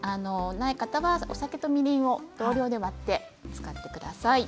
ない方はお酒とみりんを同量で割って使ってください。